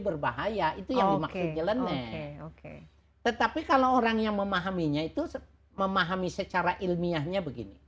berbahaya itu yang dimaksud nyeleneh tetapi kalau orang yang memahaminya itu memahami secara ilmiahnya